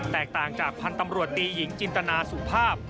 แตกต่างจากพันธ์ตำรวจตีหญิงจินตนาสุภาพ